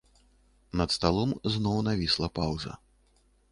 Над сталом зноў навісла паўза.